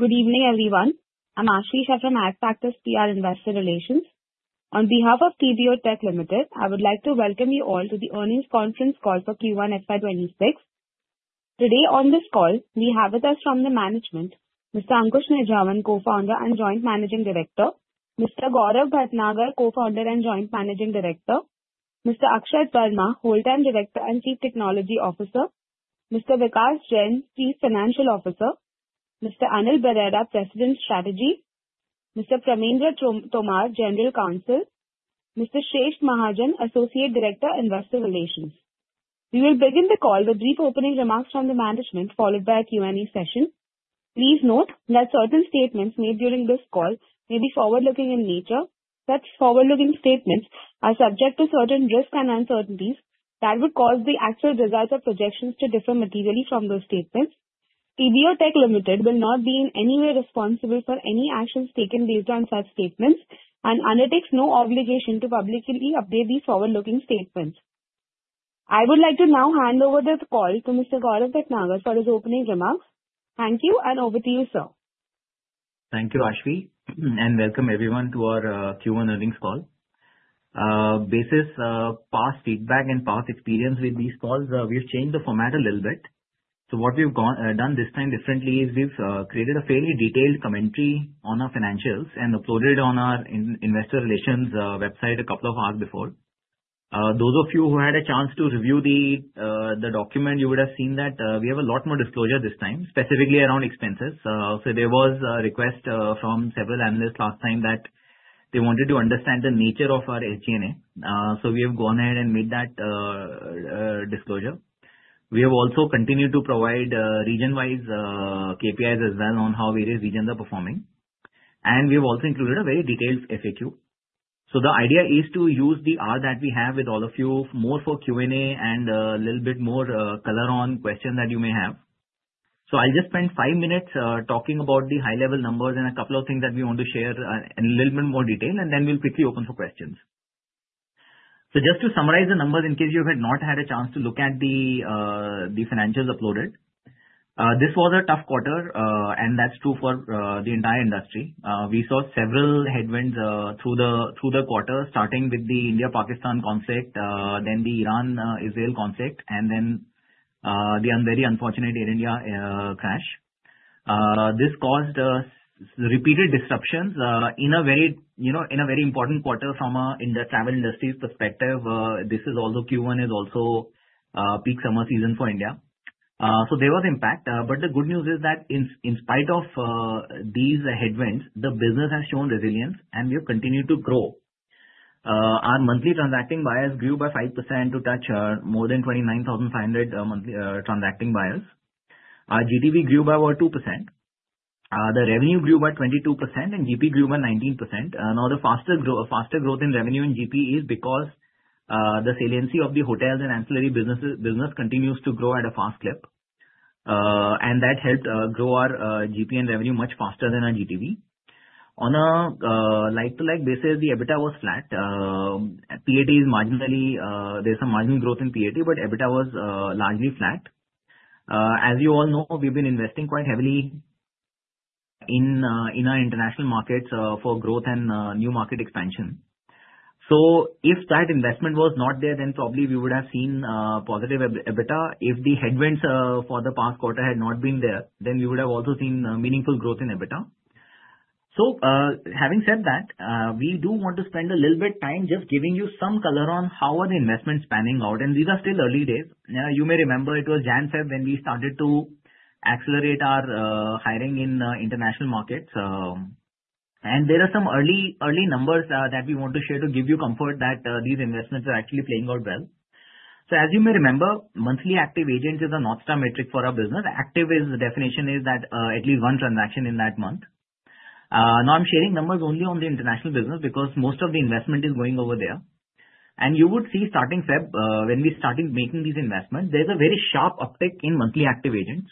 Good evening, everyone. I'm Aashvi Shah from Adfactors PR Investor Relations. On behalf of TBO Tek Limited, I would like to welcome you all to the earnings conference call for Q1 FY 2026. Today on this call, we have with us from the management: Mr. Ankush Nijhawan, Co-founder and Joint Managing Director, Mr. Gaurav Bhatnagar, Co-founder and Joint Managing Director, Mr. Akshat Verma, Whole-time Director and Chief Technology Officer, Mr. Vikas Jain, Chief Financial Officer, Mr. Anil Berera, President Strategy, Mr. Pramendra Tomar, General Counsel, Mr. Shreshth Mahajan, Associate Director, Investor Relations. We will begin the call with brief opening remarks from the management, followed by a Q&A session. Please note that certain statements made during this call may be forward-looking in nature. Such forward-looking statements are subject to certain risks and uncertainties that would cause the actual results or projections to differ materially from those statements. TBO Tek Limited will not be in any way responsible for any actions taken based on such statements and undertakes no obligation to publicly update these forward-looking statements. I would like to now hand over the call to Mr. Gaurav Bhatnagar for his opening remarks. Thank you, and over to you, sir. Thank you, Aashvi, and welcome everyone to our Q1 earnings call. Based on past feedback and past experience with these calls, we've changed the format a little bit. So what we've done this time differently is we've created a fairly detailed commentary on our financials and uploaded it on our investor relations website a couple of hours before. Those of you who had a chance to review the document, you would have seen that we have a lot more disclosure this time, specifically around expenses. So there was a request from several analysts last time that they wanted to understand the nature of our SG&A. So we have gone ahead and made that disclosure. We have also continued to provide region-wise KPIs as well on how various regions are performing. And we have also included a very detailed FAQ. So the idea is to use the hour that we have with all of you more for Q&A and a little bit more color on questions that you may have. So I'll just spend five minutes talking about the high-level numbers and a couple of things that we want to share in a little bit more detail, and then we'll quickly open for questions. So just to summarize the numbers, in case you had not had a chance to look at the financials uploaded, this was a tough quarter, and that's true for the entire industry. We saw several headwinds through the quarter, starting with the India-Pakistan conflict, then the Iran-Israel conflict, and then the very unfortunate Air India crash. This caused repeated disruptions in a very important quarter from an industry travel industry perspective. This is also Q1 is also peak summer season for India. So there was impact. But the good news is that in spite of these headwinds, the business has shown resilience, and we have continued to grow. Our monthly transacting buyers grew by 5% to touch more than 29,500 monthly transacting buyers. Our GTV grew by over 2%. The revenue grew by 22%, and GP grew by 19%. Now, the faster growth in revenue and GP is because the saliency of the hotels and ancillary businesses continues to grow at a fast clip. And that helped grow our GP and revenue much faster than our GTV. On a like-to-like basis, the EBITDA was flat. There's some marginal growth in PAT, but EBITDA was largely flat. As you all know, we've been investing quite heavily in our international markets for growth and new market expansion. So if that investment was not there, then probably we would have seen positive EBITDA. If the headwinds for the past quarter had not been there, then we would have also seen meaningful growth in EBITDA. So having said that, we do want to spend a little bit of time just giving you some color on how the investments are panning out. These are still early days. Now, you may remember it was January February when we started to accelerate our hiring in international markets. There are some early numbers that we want to share to give you comfort that these investments are actually playing out well. So as you may remember, monthly active agents is a North Star metric for our business. Active. The definition is that at least one transaction in that month. Now, I'm sharing numbers only on the international business because most of the investment is going over there. You would see starting February, when we started making these investments, there's a very sharp uptick in monthly active agents.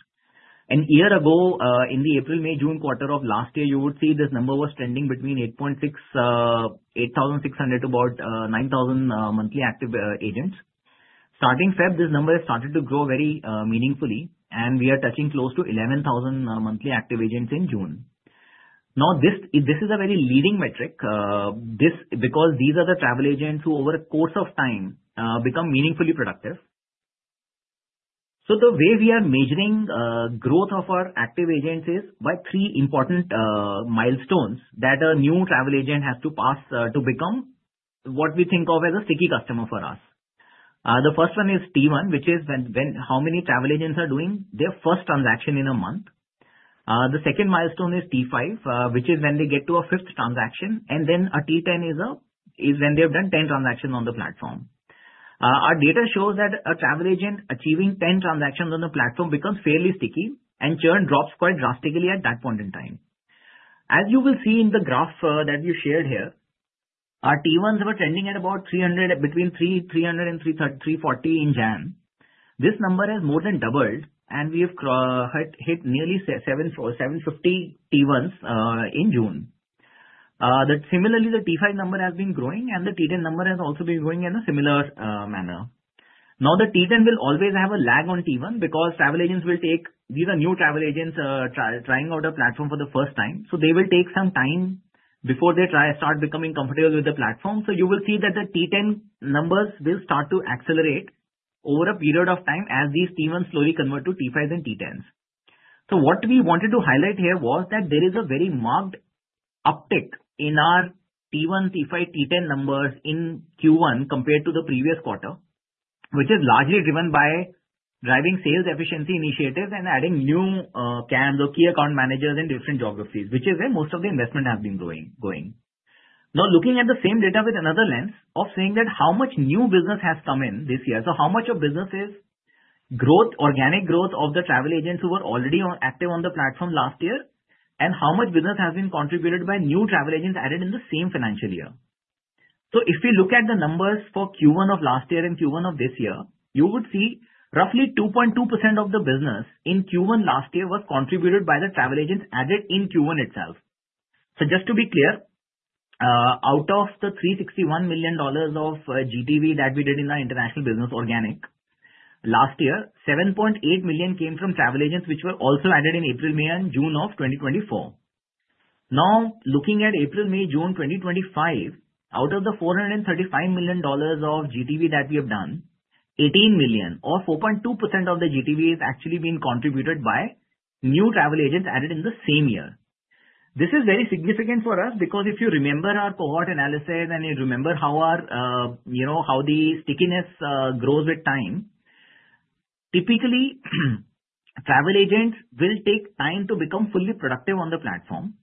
A year ago, in the April, May, June quarter of last year, you would see this number was trending between 8,600 to about 9,000 monthly active agents. Starting February, this number has started to grow very meaningfully, and we are touching close to 11,000 monthly active agents in June. Now, this is a very leading metric because these are the travel agents who, over a course of time, become meaningfully productive. So the way we are measuring growth of our active agents is by three important milestones that a new travel agent has to pass to become what we think of as a sticky customer for us. The first one is T1, which is how many travel agents are doing their first transaction in a month. The second milestone is T5, which is when they get to a fifth transaction. And then a T10 is when they have done 10 transactions on the platform. Our data shows that a travel agent achieving 10 transactions on the platform becomes fairly sticky and churn drops quite drastically at that point in time. As you will see in the graph that you shared here, our T1s were trending at about 300, between 300 and 340 in January. This number has more than doubled, and we have hit nearly 750 T1s in June. Similarly, the T5 number has been growing, and the T10 number has also been growing in a similar manner. Now, the T10 will always have a lag on T1 because travel agents will take these are new travel agents trying out a platform for the first time. They will take some time before they start becoming comfortable with the platform. So you will see that the T10 numbers will start to accelerate over a period of time as these T1s slowly convert to T5s and T10s. So what we wanted to highlight here was that there is a very marked uptick in our T1, T5, T10 numbers in Q1 compared to the previous quarter, which is largely driven by driving sales efficiency initiatives and adding new CAMs, key account managers in different geographies, which is where most of the investment has been going. Now, looking at the same data with another lens of saying that how much new business has come in this year, so how much of business is organic growth of the travel agents who were already active on the platform last year, and how much business has been contributed by new travel agents added in the same financial year. So if we look at the numbers for Q1 of last year and Q1 of this year, you would see roughly 2.2% of the business in Q1 last year was contributed by the travel agents added in Q1 itself. So just to be clear, out of the $361 million of GTV that we did in our international business organic last year, $7.8 million came from travel agents, which were also added in April, May, and June of 2024. Now, looking at April, May, June 2025, out of the $435 million of GTV that we have done, 18 million, or 4.2% of the GTV, is actually being contributed by new travel agents added in the same year. This is very significant for us because if you remember our cohort analysis and you remember how the stickiness grows with time, typically, travel agents will take time to become fully productive on the platform.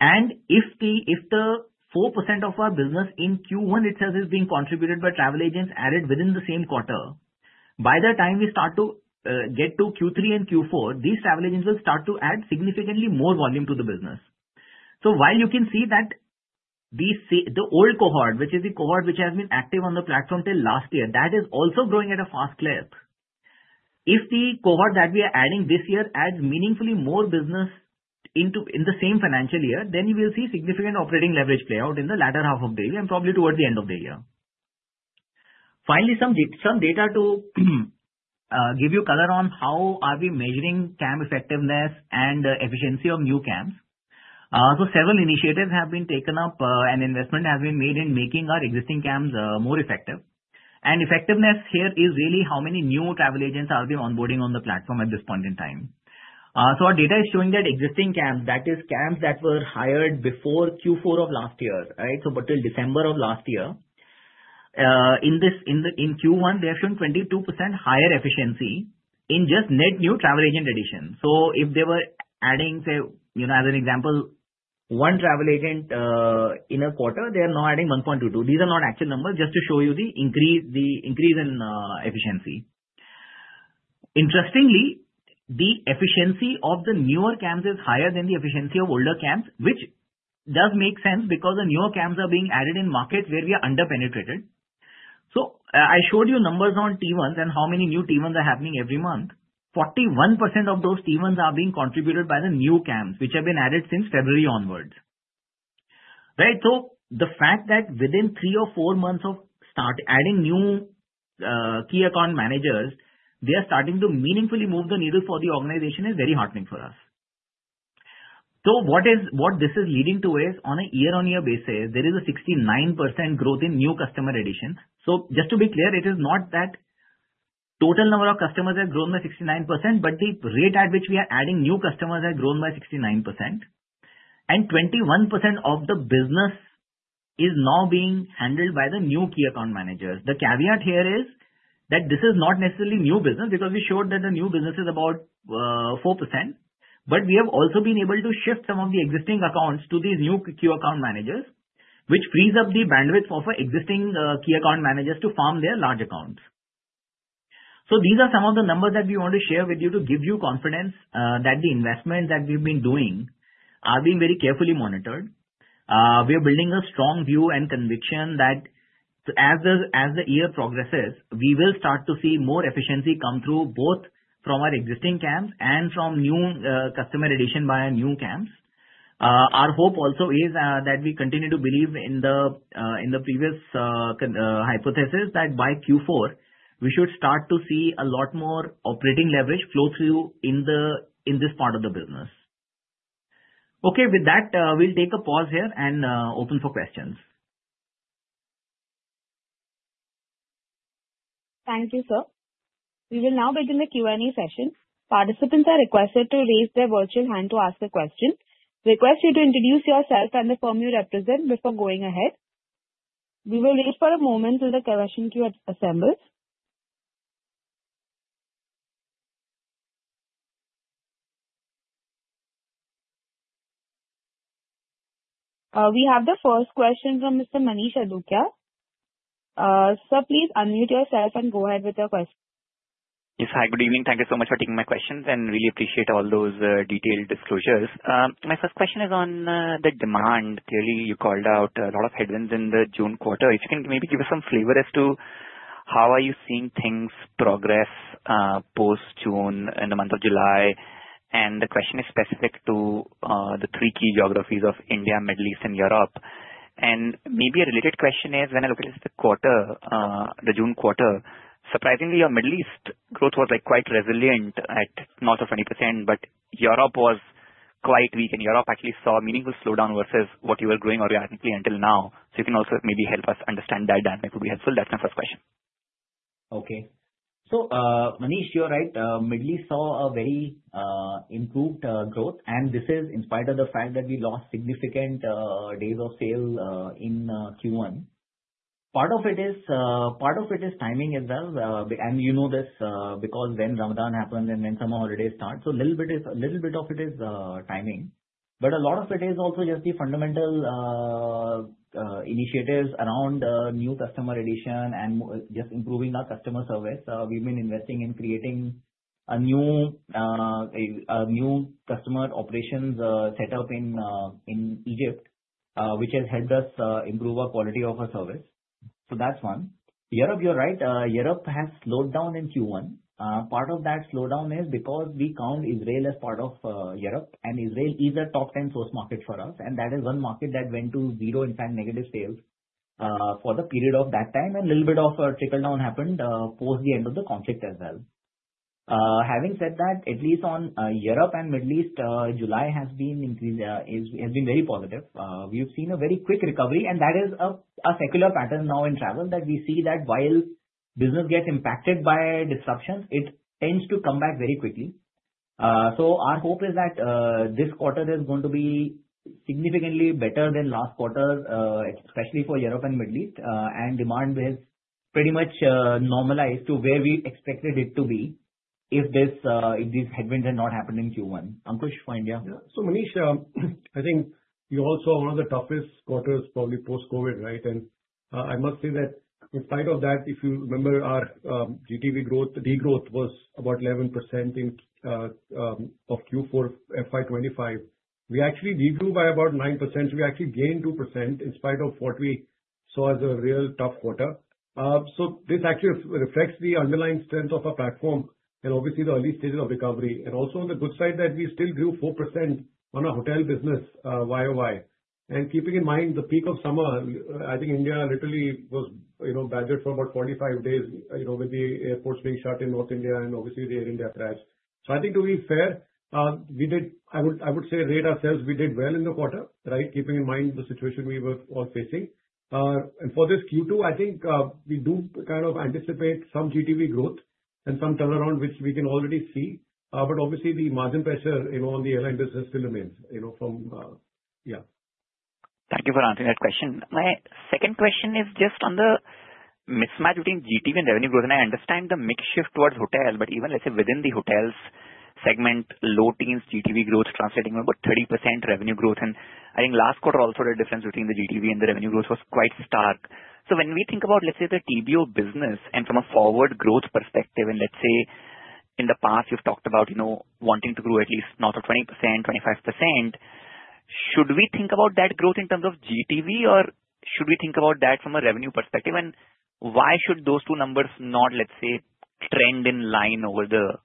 And if the 4% of our business in Q1 itself is being contributed by travel agents added within the same quarter, by the time we start to get to Q3 and Q4, these travel agents will start to add significantly more volume to the business. So while you can see that the old cohort, which is the cohort which has been active on the platform till last year, that is also growing at a fast clip. If the cohort that we are adding this year adds meaningfully more business in the same financial year, then you will see significant operating leverage play out in the latter half of the year and probably towards the end of the year. Finally, some data to give you color on how we are measuring CAM effectiveness and efficiency of new CAMs. Several initiatives have been taken up, and investment has been made in making our existing CAMs more effective. Effectiveness here is really how many new travel agents we are onboarding on the platform at this point in time. Our data is showing that existing CAMs, that is, CAMs that were hired before Q4 of last year, right, so until December of last year, in Q1, they have shown 22% higher efficiency in just net new travel agent addition. So if they were adding, say, as an example, one travel agent in a quarter, they are now adding 1.22. These are not actual numbers, just to show you the increase in efficiency. Interestingly, the efficiency of the newer CAMs is higher than the efficiency of older CAMs, which does make sense because the newer CAMs are being added in markets where we are under-penetrated. So I showed you numbers on T1s and how many new T1s are happening every month. 41% of those T1s are being contributed by the new CAMs, which have been added since February onwards. Right? So the fact that within three or four months of adding new key account managers, they are starting to meaningfully move the needle for the organization is very heartening for us. So what this is leading to is, on a year-on-year basis, there is a 69% growth in new customer additions. So just to be clear, it is not that total number of customers have grown by 69%, but the rate at which we are adding new customers has grown by 69%. And 21% of the business is now being handled by the new key account managers. The caveat here is that this is not necessarily new business because we showed that the new business is about 4%. But we have also been able to shift some of the existing accounts to these new key account managers, which frees up the bandwidth of our existing key account managers to farm their large accounts. So these are some of the numbers that we want to share with you to give you confidence that the investments that we've been doing are being very carefully monitored. We are building a strong view and conviction that as the year progresses, we will start to see more efficiency come through both from our existing CAMs and from new customer addition by our new CAMs. Our hope also is that we continue to believe in the previous hypothesis that by Q4, we should start to see a lot more operating leverage flow through in this part of the business. Okay, with that, we'll take a pause here and open for questions. Thank you, sir. We will now begin the Q&A session. Participants are requested to raise their virtual hand to ask a question. Request you to introduce yourself and the firm you represent before going ahead. We will wait for a moment till the question queue assembles. We have the first question from Mr. Manish Adukia. Sir, please unmute yourself and go ahead with your question. Yes, hi. Good evening. Thank you so much for taking my questions, and really appreciate all those detailed disclosures. My first question is on the demand. Clearly, you called out a lot of headwinds in the June quarter. If you can maybe give us some flavor as to how are you seeing things progress post-June in the month of July? And the question is specific to the three key geographies of India, Middle East, and Europe. And maybe a related question is, when I look at the quarter, the June quarter, surprisingly, your Middle East growth was quite resilient at north of 20%, but Europe was quite weak, and Europe actually saw a meaningful slowdown versus what you were growing organically until now. So you can also maybe help us understand that dynamic would be helpful. That's my first question. Okay. So, Manish, you're right. Middle East saw a very improved growth, and this is in spite of the fact that we lost significant days of sale in Q1. Part of it is timing as well. And you know this because when Ramadan happens and when summer holidays start. So a little bit of it is timing. But a lot of it is also just the fundamental initiatives around new customer addition and just improving our customer service. We've been investing in creating a new customer operations setup in Egypt, which has helped us improve our quality of our service. So that's one. Europe, you're right. Europe has slowed down in Q1. Part of that slowdown is because we count Israel as part of Europe, and Israel is a top 10 source market for us. And that is one market that went to zero, in fact, negative sales for the period of that time. And a little bit of a trickle-down happened post the end of the conflict as well. Having said that, at least on Europe and Middle East, July has been very positive. We've seen a very quick recovery, and that is a secular pattern now in travel that we see that while business gets impacted by disruptions, it tends to come back very quickly. So our hope is that this quarter is going to be significantly better than last quarter, especially for Europe and Middle East, and demand has pretty much normalized to where we expected it to be if these headwinds are not happening in Q1. Ankush, why India? Yeah. So Manish, I think you also saw one of the toughest quarters, probably post-COVID, right? And I must say that in spite of that, if you remember our GTV growth, the growth was about 11% of Q4 FY 2025. We actually did grow by about 9%. We actually gained 2% in spite of what we saw as a real tough quarter. So this actually reflects the underlying strength of our platform and obviously the early stages of recovery. And also on the good side that we still grew 4% on our hotel business YOY. And keeping in mind the peak of summer, I think India literally was badgered for about 45 days with the airports being shut in North India and obviously the Air India crash. So I think to be fair, we did. I would say rate ourselves we did well in the quarter, right, keeping in mind the situation we were all facing. And for this Q2, I think we do kind of anticipate some GTV growth and some turnaround, which we can already see. But obviously, the margin pressure on the airline business still remains from, yeah. Thank you for answering that question. My second question is just on the mismatch between GTV and revenue growth. And I understand the mix shift towards hotel, but even, let's say, within the hotels segment, low teens GTV growth translating about 30% revenue growth. And I think last quarter also the difference between the GTV and the revenue growth was quite stark. So when we think about, let's say, the TBO business and from a forward growth perspective, and let's say in the past, you've talked about wanting to grow at least north of 20%, 25%, should we think about that growth in terms of GTV, or should we think about that from a revenue perspective? And why should those two numbers not, let's say, trend in line over the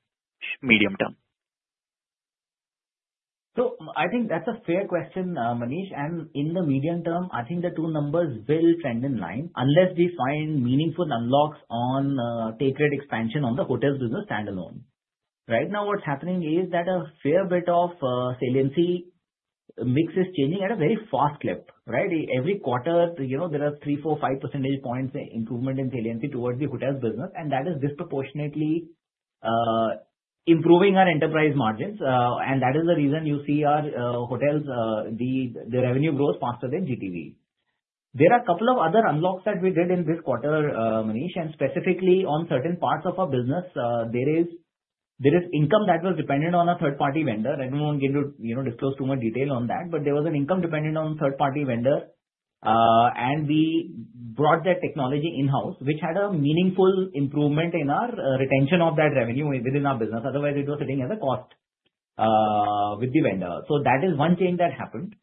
medium term? So I think that's a fair question, Manish. And in the medium term, I think the two numbers will trend in line unless we find meaningful unlocks on take-rate expansion on the hotels business standalone. Right now, what's happening is that a fair bit of saliency mix is changing at a very fast clip, right? Every quarter, there are three, four, five percentage points improvement in saliency towards the hotels business, and that is disproportionately improving our enterprise margins. And that is the reason you see our hotels, the revenue grows faster than GTV. There are a couple of other unlocks that we did in this quarter, Manish, and specifically on certain parts of our business, there is income that was dependent on a third-party vendor. And we won't get to disclose too much detail on that, but there was an income dependent on a third-party vendor, and we brought that technology in-house, which had a meaningful improvement in our retention of that revenue within our business. Otherwise, it was sitting as a cost with the vendor. So that is one change that happened.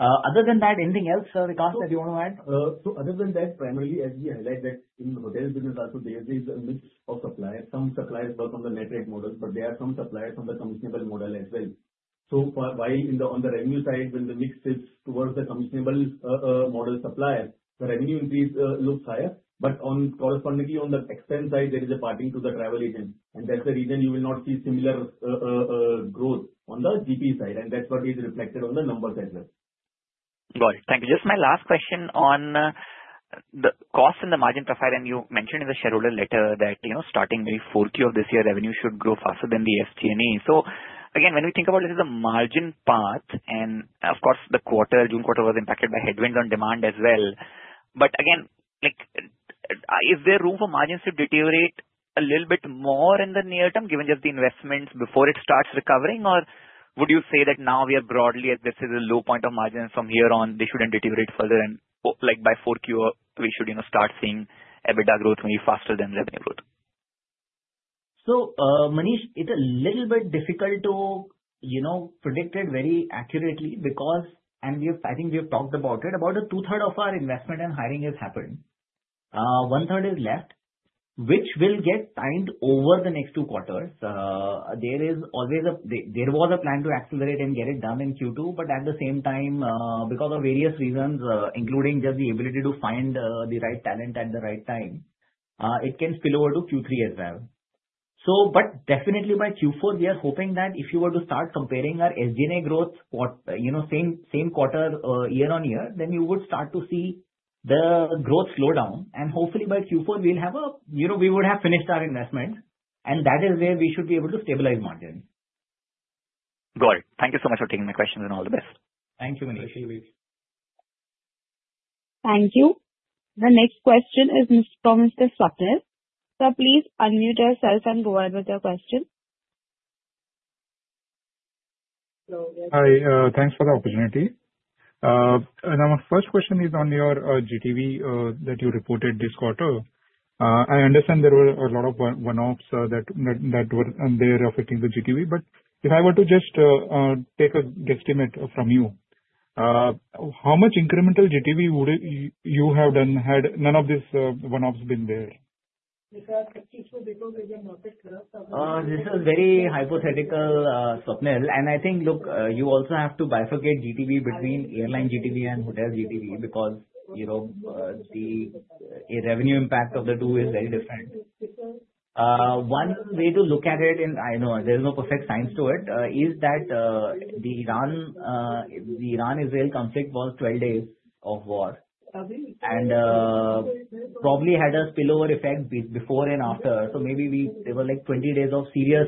Other than that, anything else, sir, Ankush, that you want to add? So other than that, primarily, as we highlight that in hotels business, also there is a mix of suppliers. Some suppliers work on the net rate model, but there are some suppliers on the commissionable model as well. So while on the revenue side, when the mix is towards the commissionable model supplier, the revenue increase looks higher. But correspondingly, on the expense side, there is a parting to the travel agent. And that's the reason you will not see similar growth on the GP side. And that's what is reflected on the numbers as well. Got it. Thank you. Just my last question on the cost and the margin profile. And you mentioned in the shareholder letter that starting May 4th of this year, revenue should grow faster than the SG&A. So again, when we think about, let's say, the margin path, and of course, the quarter, June quarter was impacted by headwinds on demand as well. But again, is there room for margins to deteriorate a little bit more in the near term, given just the investments before it starts recovering? Or would you say that now we are broadly, let's say, the low point of margins from here on, they shouldn't deteriorate further? And by 4Q, we should start seeing EBITDA growth maybe faster than revenue growth? Manish, it's a little bit difficult to predict it very accurately because, and I think we have talked about it, about two-thirds of our investment and hiring has happened. One-third is left, which will get timed over the next two quarters. There was a plan to accelerate and get it done in Q2, but at the same time, because of various reasons, including just the ability to find the right talent at the right time, it can spill over to Q3 as well. But definitely by Q4, we are hoping that if you were to start comparing our SG&A growth, same quarter year on year, then you would start to see the growth slow down. And hopefully by Q4, we'll have we would have finished our investment, and that is where we should be able to stabilize margins. Got it. Thank you so much for taking my questions and all the best. Thank you, Manish. Thank you. Thank you. The next question is from Mr. Swetank. Sir, please unmute yourself and go ahead with your question. Hi. Thanks for the opportunity. And our first question is on your GTV that you reported this quarter. I understand there were a lot of one-offs that were there affecting the GTV. But if I were to just take a guesstimate from you, how much incremental GTV would you have done had none of these one-offs been there? This is very hypothetical, Swetank. And I think, look, you also have to bifurcate GTV between airline GTV and hotel GTV because the revenue impact of the two is very different. One way to look at it, and I know there's no perfect science to it, is that the Iran-Israel conflict was 12 days of war and probably had a spillover effect before and after. So maybe there were like 20 days of serious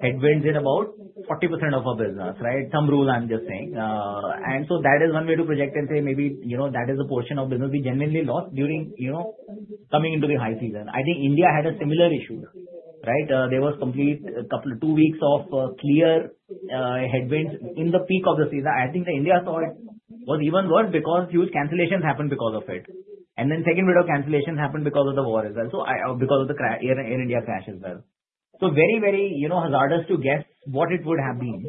headwinds in about 40% of our business, right? Thumb rule, I'm just saying. And so that is one way to project and say maybe that is a portion of business we genuinely lost during coming into the high season. I think India had a similar issue, right? There was complete two weeks of clear headwinds in the peak of the season. I think the India side was even worse because huge cancellations happened because of it. And then second wave of cancellations happened because of the war as well, because of the Air India crash as well. So very, very hazardous to guess what it would have been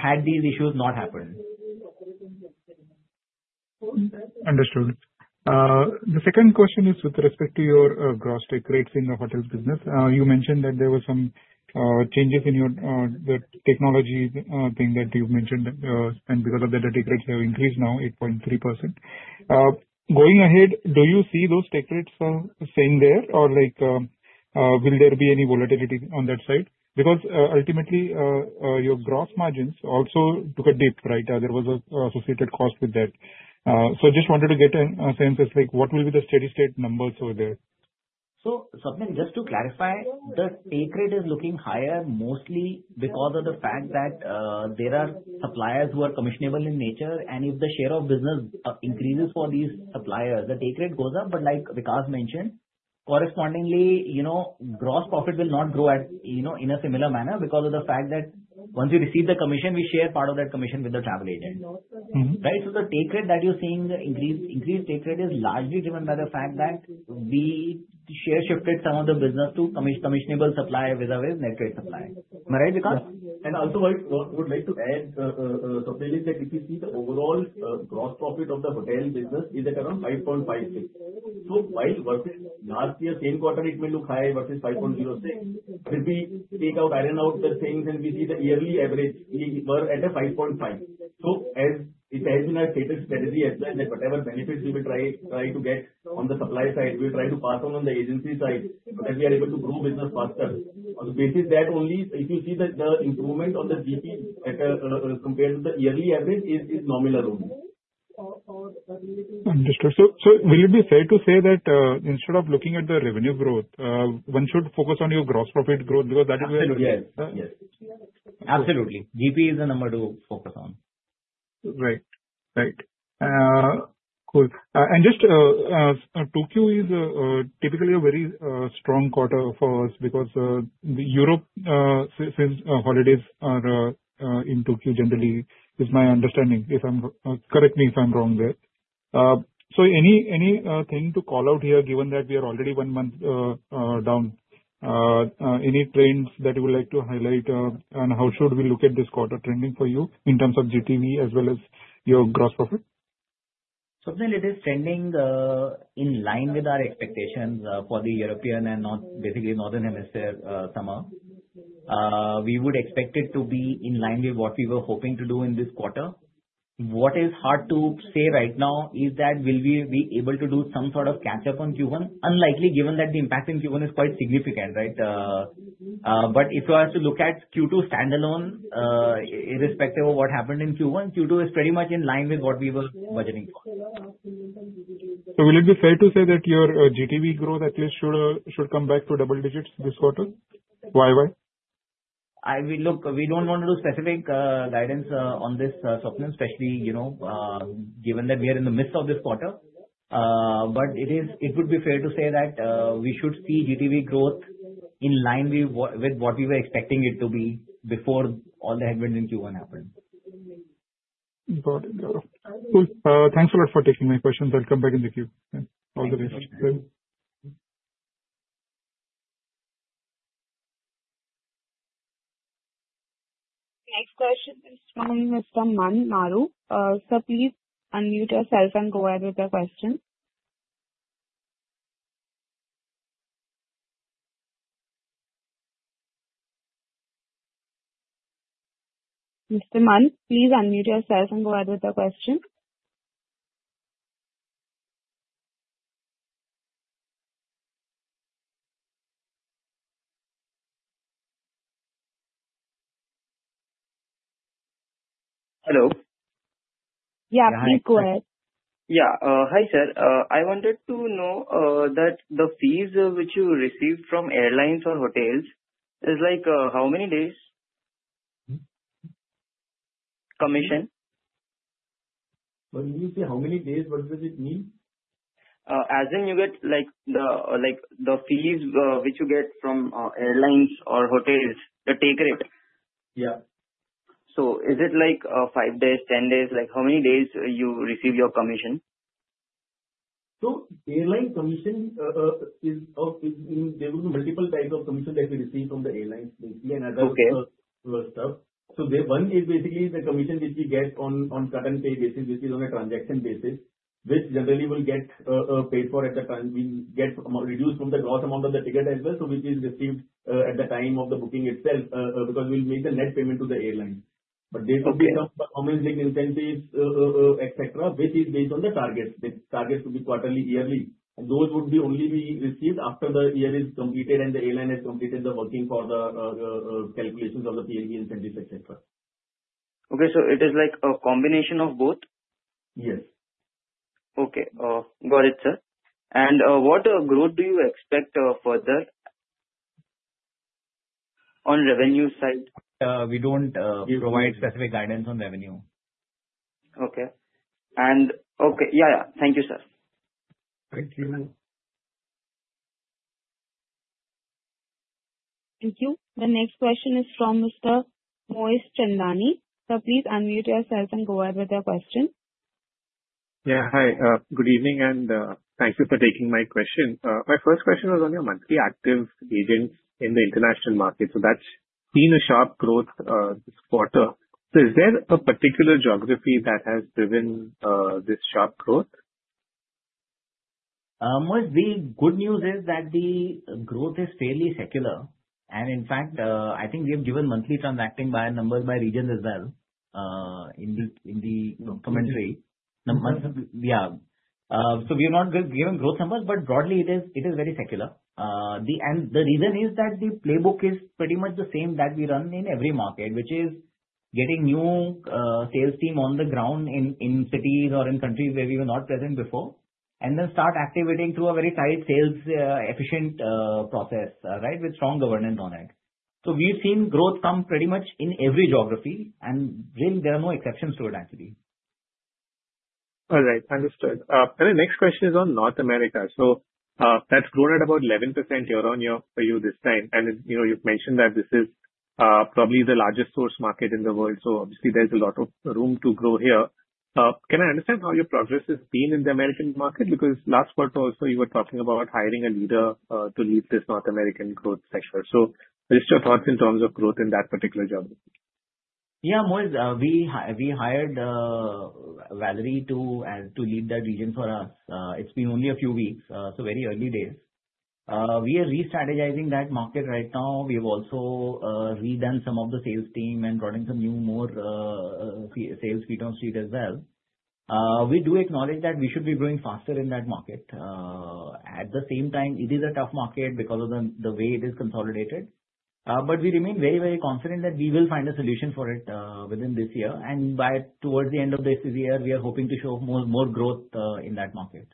had these issues not happened. Understood. The second question is with respect to your gross take rates in the hotels business. You mentioned that there were some changes in the technology thing that you've mentioned, and because of that, the take rates have increased now, 8.3%. Going ahead, do you see those take rates staying there, or will there be any volatility on that side? Because ultimately, your gross margins also took a dip, right? There was an associated cost with that. So I just wanted to get a sense as to what will be the steady-state numbers over there. So Swetank, just to clarify, the take rate is looking higher mostly because of the fact that there are suppliers who are commissionable in nature. And if the share of business increases for these suppliers, the take rate goes up. But like Vikas mentioned, correspondingly, gross profit will not grow in a similar manner because of the fact that once we receive the commission, we share part of that commission with the travel agent, right? So the take rate that you're seeing increase, increased take rate is largely driven by the fact that we have shifted some of the business to commissionable supply from a net rate supply. And also, I would like to add, Sweti, that if you see the overall gross profit of the hotel business, it is at around 5.56. So while versus last year, same quarter, it may look high versus 5.06. But if we take out, iron out the things, and we see the yearly average, we were at a 5.5. So as it has been our strategy as well, that whatever benefits we will try to get on the supply side, we'll try to pass on on the agency side so that we are able to grow business faster. On the basis of that only, if you see the improvement on the GP compared to the yearly average, it is nominal only. Understood. So will it be fair to say that instead of looking at the revenue growth, one should focus on your gross profit growth because that is where? Absolutely. GP is the number to focus on. Right. Right. Cool. And just 2Q is typically a very strong quarter for us because Europe, since holidays are in 2Q generally, is my understanding. Correct me if I'm wrong there. So anything to call out here, given that we are already one month down? Any trends that you would like to highlight, and how should we look at this quarter trending for you in terms of GTV as well as your gross profit? Swetank, it is trending in line with our expectations for the European and basically Northern Hemisphere summer. We would expect it to be in line with what we were hoping to do in this quarter. What is hard to say right now is that will we be able to do some sort of catch-up on Q1? Unlikely, given that the impact in Q1 is quite significant, right? But if you have to look at Q2 standalone, irrespective of what happened in Q1, Q2 is pretty much in line with what we were budgeting for. Will it be fair to say that your GTV growth at least should come back to double digits this quarter? Why? Why? Look, we don't want to do specific guidance on this, Swetank, especially given that we are in the midst of this quarter. But it would be fair to say that we should see GTV growth in line with what we were expecting it to be before all the headwinds in Q1 happened. Got it. Thanks a lot for taking my questions. I'll come back in the queue. All the best. Next question is from Mr. Aman Maru. Sir, please unmute yourself and go ahead with your question. Mr. Aman, please unmute yourself and go ahead with your question. Hello? Yeah, please go ahead. Yeah. Hi, sir. I wanted to know that the fees which you receive from airlines or hotels is like how many days commission? When you say how many days, what does it mean? As in you get the fees which you get from airlines or hotels, the take rate. So is it like five days, 10 days? How many days you receive your commission? Airline commission. There are multiple types of commission that we receive from the airlines, basically, and other stuff. One is basically the commission which we get on cut-and-pay basis, which is on a transaction basis, which generally will get paid for at the time. We get reduced from the gross amount of the ticket as well, so which is received at the time of the booking itself because we'll make the net payment to the airline. But there will be some performance-linked incentives, etc., which is based on the targets. The targets could be quarterly, yearly. And those would only be received after the year is completed and the airline has completed the working for the calculations of the PLB incentives, etc. Okay, so it is like a combination of both? Yes. Okay. Got it, sir. And what growth do you expect further on revenue side? We don't provide specific guidance on revenue. Okay. Yeah. Yeah. Thank you, sir. Thank you. Thank you. The next question is from Mr. Mohnish Chandani. Sir, please unmute yourself and go ahead with your question. Yeah. Hi. Good evening, and thank you for taking my question. My first question was on your monthly active agents in the international market. So that's seen a sharp growth this quarter. So is there a particular geography that has driven this sharp growth? The good news is that the growth is fairly secular. And in fact, I think we have given monthly transacting buyers numbers by regions as well in the commentary. Yeah. So we are not giving growth numbers, but broadly, it is very secular. And the reason is that the playbook is pretty much the same that we run in every market, which is getting new sales team on the ground in cities or in countries where we were not present before, and then start activating through a very tight sales efficient process, right, with strong governance on it. So we've seen growth come pretty much in every geography, and really, there are no exceptions to it, actually. All right. Understood. And the next question is on North America. So that's grown at about 11% year-on-year for you this time. And you've mentioned that this is probably the largest source market in the world. So obviously, there's a lot of room to grow here. Can I understand how your progress has been in the American market? Because last quarter, also, you were talking about hiring a leader to lead this North American growth sector. So just your thoughts in terms of growth in that particular geography. Yeah. We hired Valerie to lead that region for us. It's been only a few weeks, so very early days. We are restrategizing that market right now. We have also redone some of the sales team and brought in some new more sales people on the street as well. We do acknowledge that we should be growing faster in that market. At the same time, it is a tough market because of the way it is consolidated. But we remain very, very confident that we will find a solution for it within this year. And towards the end of this year, we are hoping to show more growth in that market.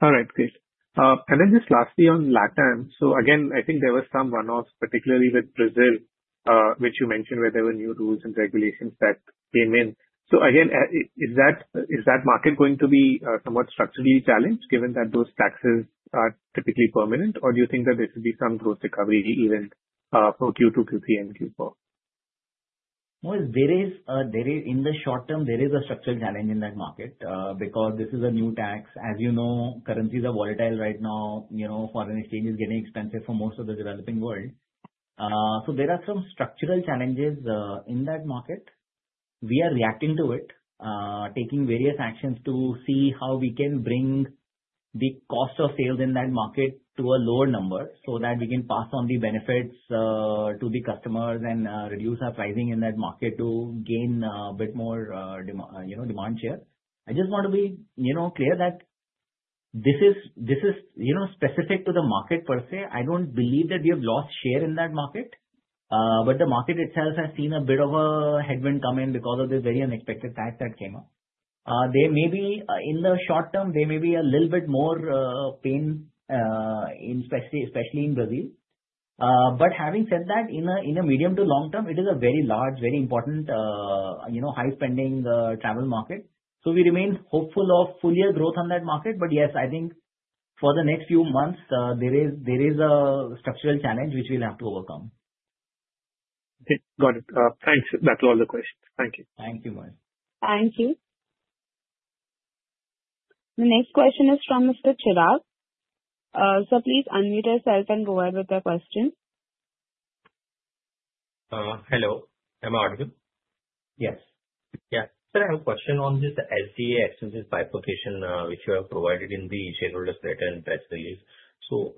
All right. Great. And then just lastly on LATAM. So again, I think there were some one-offs, particularly with Brazil, which you mentioned, where there were new rules and regulations that came in. So again, is that market going to be somewhat structurally challenged, given that those taxes are typically permanent, or do you think that there could be some growth recovery even for Q2, Q3, and Q4? There is, in the short term, a structural challenge in that market because this is a new tax. As you know, currencies are volatile right now. Foreign exchange is getting expensive for most of the developing world. So there are some structural challenges in that market. We are reacting to it, taking various actions to see how we can bring the cost of sales in that market to a lower number so that we can pass on the benefits to the customers and reduce our pricing in that market to gain a bit more demand share. I just want to be clear that this is specific to the market per se. I don't believe that we have lost share in that market, but the market itself has seen a bit of a headwind come in because of this very unexpected fact that came up. In the short term, there may be a little bit more pain, especially in Brazil. But having said that, in a medium to long term, it is a very large, very important, high-spending travel market. So we remain hopeful of full year growth on that market. But yes, I think for the next few months, there is a structural challenge which we'll have to overcome. Okay. Got it. Thanks. That was all the questions. Thank you. Thank you, Mohnish. Thank you. The next question is from Mr. Chirag. Sir, please unmute yourself and go ahead with your question. Hello. Am I audible? Yes. Yeah. Sir, I have a question on this SG&A expenses bifurcation, which you have provided in the shareholders' letter and press release. So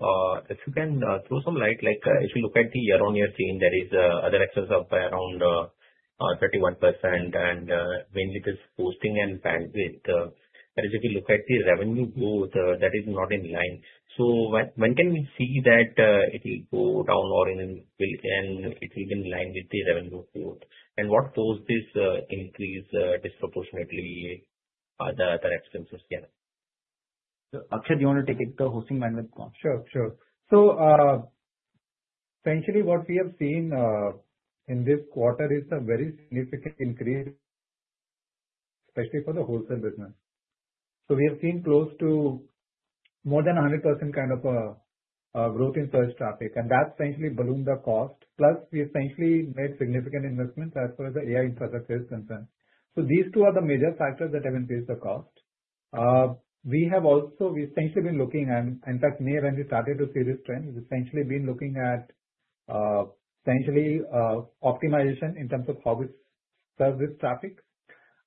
if you can throw some light, if you look at the year-on-year change, there is an increase of around 31%, and mainly this posting and bandwidth. That is, if you look at the revenue growth, that is not in line. So when can we see that it will go down or it will be in line with the revenue growth? And what caused this increase disproportionately? The expenses, yeah. So Akshat, you want to take it to the hosting bandwidth? Sure. Sure. So essentially, what we have seen in this quarter is a very significant increase, especially for the wholesale business. So we have seen close to more than 100% kind of growth in search traffic. And that's essentially ballooned the cost. Plus, we essentially made significant investments as far as the AI infrastructure is concerned. So these two are the major factors that have increased the cost. We have also essentially been looking, and in fact, may have when we started to see this trend, we've essentially been looking at essentially optimization in terms of how we serve this traffic.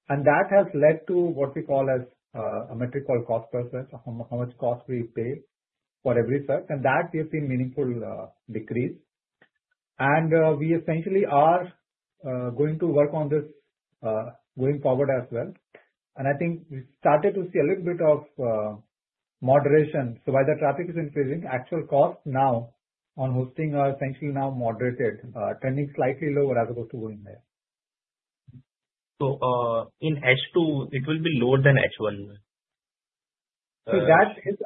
And that has led to what we call a metric called cost per search, how much cost we pay for every search. And that, we have seen meaningful decrease. And we essentially are going to work on this going forward as well. I think we started to see a little bit of moderation. While the traffic is increasing, actual costs now on hosting are essentially now moderated, trending slightly lower as opposed to going there. So in H2, it will be lower than H1? See, that is,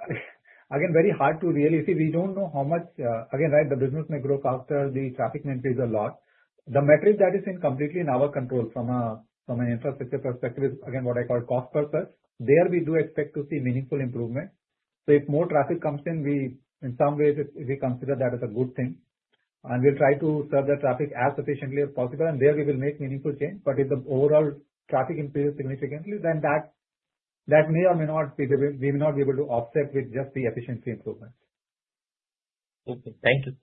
again, very hard to really see. See, we don't know how much again, right, the business may grow faster, the traffic may increase a lot. The metric that is completely in our control from an infrastructure perspective is, again, what I call cost per search. There, we do expect to see meaningful improvement. So if more traffic comes in, in some ways, we consider that as a good thing. And we'll try to serve the traffic as efficiently as possible. And there, we will make meaningful change. But if the overall traffic increases significantly, then that may or may not be. We may not be able to offset with just the efficiency improvements. Okay. Thank you.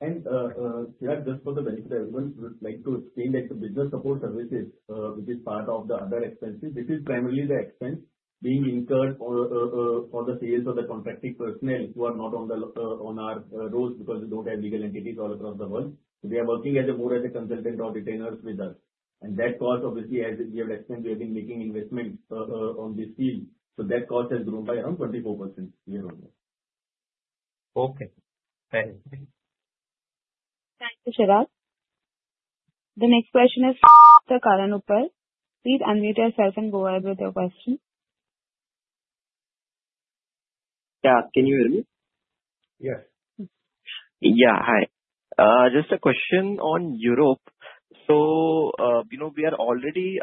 Chirag, just for the benefit of everyone, we would like to explain that the business support services, which is part of the other expenses, this is primarily the expense being incurred for the sales and contracting personnel who are not on our rolls because we don't have legal entities all across the world. So they are working more as consultants or retainers with us. And that cost, obviously, as we have explained, we have been making investments in this field. So that cost has grown by around 24% year-on-year. Okay. Thanks. Thank you, Chirag. The next question is from Mr. Karan Uppal. Please unmute yourself and go ahead with your question. Yeah. Can you hear me? Yes. Yeah. Hi. Just a question on Europe. So we are already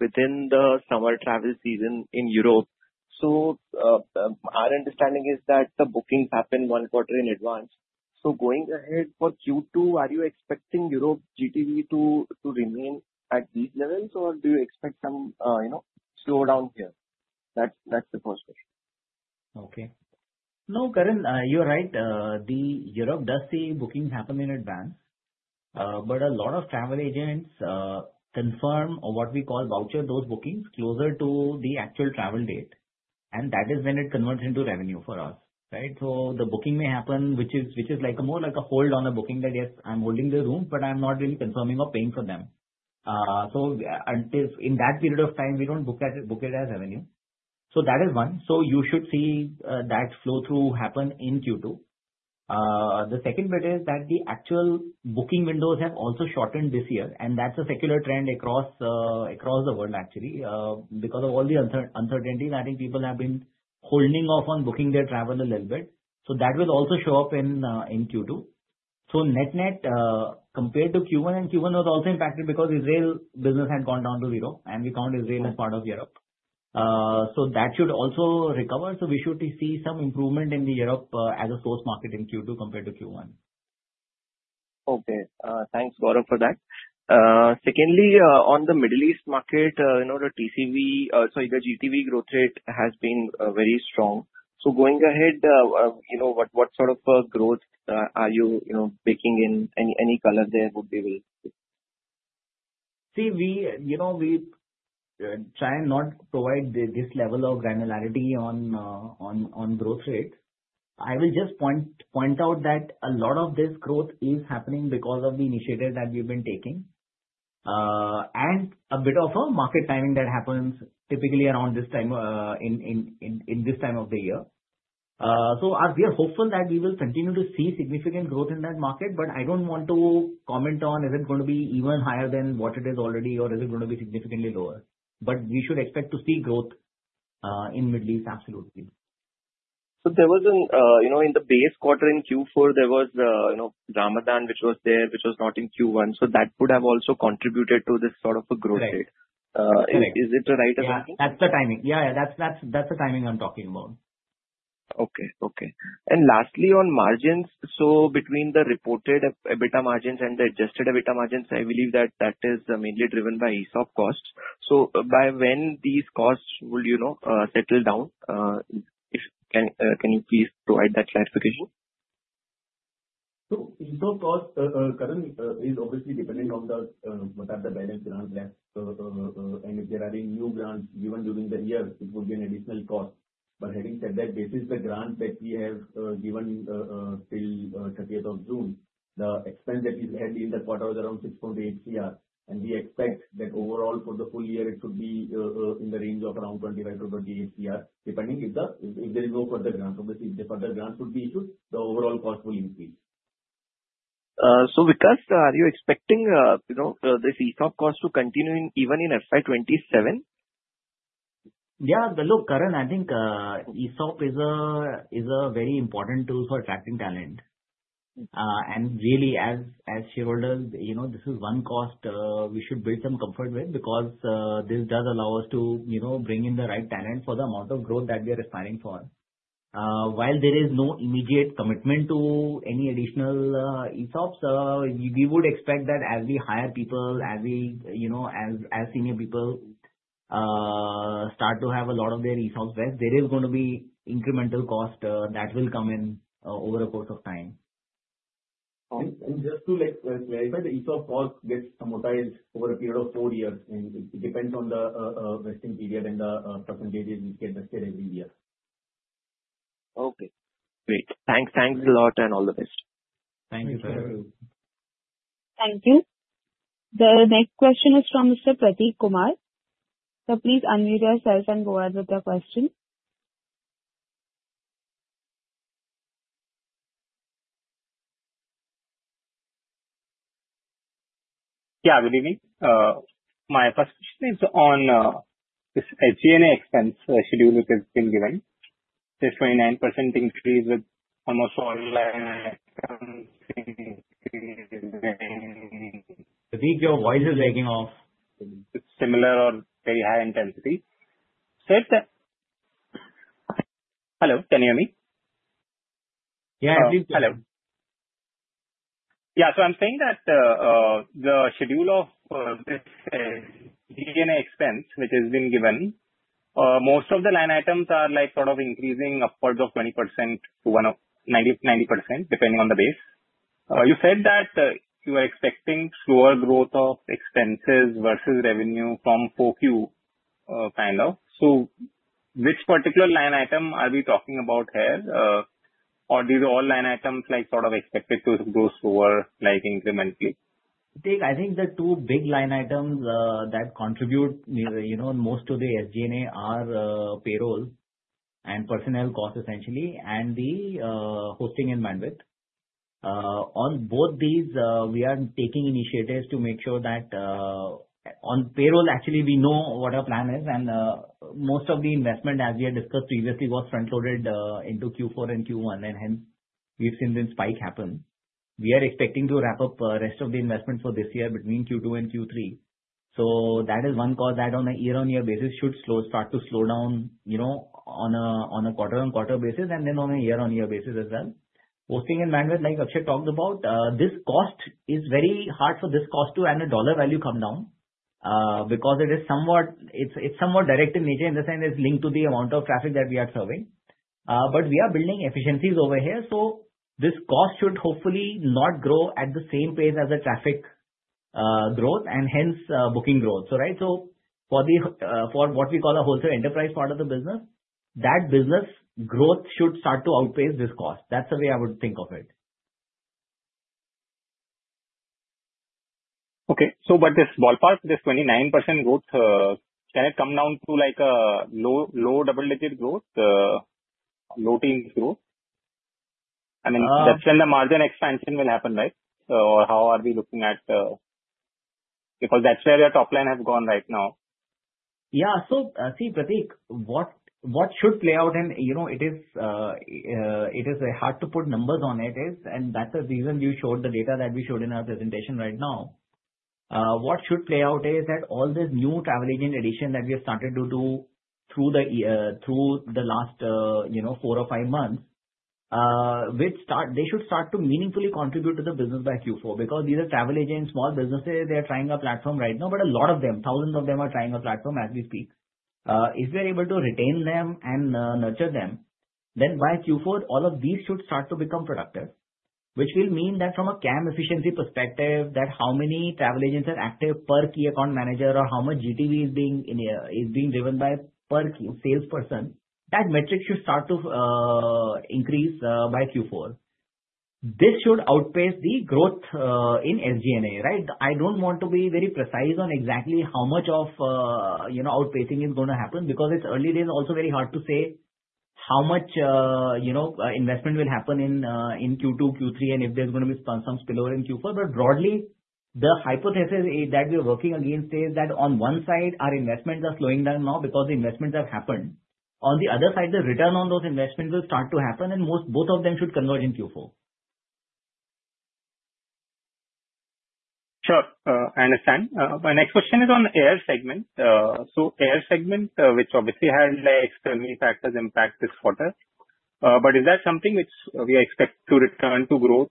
within the summer travel season in Europe. So our understanding is that the bookings happen one quarter in advance. So going ahead for Q2, are you expecting Europe GTV to remain at these levels, or do you expect some slowdown here? That's the first question. Okay. No, Karan, you're right. Europe does see bookings happen in advance. But a lot of travel agents confirm or what we call voucher those bookings closer to the actual travel date. And that is when it converts into revenue for us, right? So the booking may happen, which is more like a hold on a booking that, yes, I'm holding the room, but I'm not really confirming or paying for them. So in that period of time, we don't book it as revenue. So that is one. So you should see that flow-through happen in Q2. The second bit is that the actual booking windows have also shortened this year. And that's a secular trend across the world, actually. Because of all the uncertainties, I think people have been holding off on booking their travel a little bit. So that will also show up in Q2. So net-net, compared to Q1, and Q1 was also impacted because Israel business had gone down to zero, and we count Israel as part of Europe. So that should also recover. So we should see some improvement in the Europe as a source market in Q2 compared to Q1. Okay. Thanks, Gaurav, for that. Secondly, on the Middle East market, the TCV, sorry, the GTV growth rate has been very strong. So going ahead, what sort of growth are you picking in? Any color there would be willing to see? See, we try and not provide this level of granularity on growth rate. I will just point out that a lot of this growth is happening because of the initiative that we've been taking and a bit of a market timing that happens typically around this time of the year. So we are hopeful that we will continue to see significant growth in that market. But I don't want to comment on, is it going to be even higher than what it is already, or is it going to be significantly lower? But we should expect to see growth in the Middle East, absolutely. So in the base quarter in Q4, there was Ramadan, which was there, which was not in Q1. So that would have also contributed to this sort of a growth rate. Is it the right timing? Yeah. That's the timing. Yeah. That's the timing I'm talking about. Okay. Okay. And lastly, on margins, so between the reported EBITDA margins and the adjusted EBITDA margins, I believe that that is mainly driven by ESOP costs. So by when these costs will settle down? Can you please provide that clarification? ESOP cost, Karan, is obviously dependent on what are the balance grants left. And if there are any new grants given during the year, it would be an additional cost. But having said that, this is the grant that we have given till 30th of June. The expense that we had in the quarter was around 6.8 CR. And we expect that overall, for the full year, it should be in the range of around 25-38 CR, depending if there is no further grant. Obviously, if the further grant would be issued, the overall cost will increase. So are you expecting this ESOP cost to continue even in FY 2027? Yeah. Look, Karan, I think ESOP is a very important tool for attracting talent. And really, as shareholders, this is one cost we should build some comfort with because this does allow us to bring in the right talent for the amount of growth that we are aspiring for. While there is no immediate commitment to any additional ESOPs, we would expect that as we hire people, as senior people start to have a lot of their ESOPs vest, there is going to be incremental cost that will come in over a course of time. Just to clarify, the ESOP cost gets amortized over a period of four years. It depends on the vesting period and the percentages we get vested every year. Okay. Great. Thanks. Thanks a lot and all the best. Thank you. Thank you. The next question is from Mr. Prateek Kumar. So please unmute yourself and go ahead with your question. Yeah. Good evening. My first question is on this SG&A expense schedule which has been given, this 29% increase with almost all. The voice is lagging off. Similar or very high intensity. Sir, hello? Can you hear me? Yeah. I believe you. Hello. Yeah. So I'm saying that the schedule of this SG&A expense, which has been given, most of the line items are sort of increasing upwards of 20%-90%, depending on the base. You said that you were expecting slower growth of expenses versus revenue from 4Q kind of. So which particular line item are we talking about here? Or these all line items sort of expected to grow slower incrementally? I think the two big line items that contribute most to the SG&A are payroll and personnel costs, essentially, and the hosting and bandwidth. On both these, we are taking initiatives to make sure that on payroll, actually, we know what our plan is, and most of the investment, as we had discussed previously, was front-loaded into Q4 and Q1, and hence, we've seen the spike happen. We are expecting to wrap up the rest of the investment for this year between Q2 and Q3, so that is one cost that, on a year-on-year basis, should start to slow down on a quarter-on-quarter basis and then on a year-on-year basis as well. Hosting and bandwidth, like Akshat talked about, this cost is very hard for this cost and the dollar value to come down because it's somewhat direct in nature in the sense it's linked to the amount of traffic that we are serving. But we are building efficiencies over here. So this cost should hopefully not grow at the same pace as the traffic growth and hence booking growth, right? So for what we call a wholesale enterprise part of the business, that business growth should start to outpace this cost. That's the way I would think of it. Okay. So but this ballpark, this 29% growth, can it come down to low double-digit growth, low teens growth? I mean, that's when the margin expansion will happen, right? Or how are we looking at because that's where your top line has gone right now? Yeah. So see, Prateek, what should play out, and it is hard to put numbers on it, and that's the reason you showed the data that we showed in our presentation right now. What should play out is that all this new travel agent addition that we have started to do through the last four or five months, they should start to meaningfully contribute to the business by Q4 because these are travel agents, small businesses. They are trying a platform right now, but a lot of them, thousands of them are trying a platform as we speak. If we are able to retain them and nurture them, then by Q4, all of these should start to become productive, which will mean that from a CAM efficiency perspective, that how many travel agents are active per key account manager or how much GTV is being driven by per salesperson, that metric should start to increase by Q4. This should outpace the growth in SG&A, right? I don't want to be very precise on exactly how much of outpacing is going to happen because it's early days. Also very hard to say how much investment will happen in Q2, Q3, and if there's going to be some spillover in Q4. But broadly, the hypothesis that we are working against is that on one side, our investments are slowing down now because the investments have happened. On the other side, the return on those investments will start to happen, and both of them should converge in Q4. Sure. I understand. My next question is on air segment. So air segment, which obviously had external factors impact this quarter, but is that something which we expect to return to growth